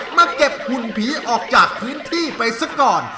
มาเก็บหุ่นผีออกจากพื้นที่ไปซะก่อน